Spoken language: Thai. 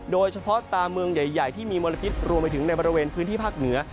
โดยเฉพาะตามเมืองใหญ่ที่มีมลพิษรวมไปถึงในบริเวณพื้นที่ภาคเหนือ